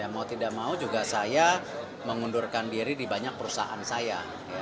mau tidak mau juga saya mengundurkan diri di banyak perusahaan saya